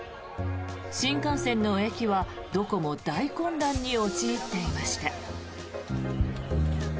新幹線の駅はどこも大混乱に陥っていました。